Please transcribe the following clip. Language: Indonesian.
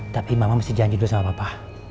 tapi mama mesti janjikan dulu sama papa